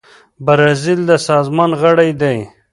برازیل د سازمان غړی دی.